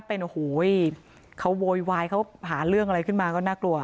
เป็นโอ้โหเขาโวยวายเขาหาเรื่องอะไรขึ้นมาก็น่ากลัว